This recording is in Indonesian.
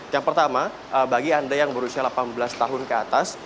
yang pertama bagi anda yang berusia delapan belas tahun ke atas